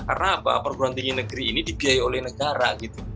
karena apa perguruan tinggi negeri ini dibiayai oleh negara